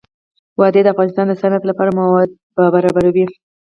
وادي د افغانستان د صنعت لپاره مواد برابروي.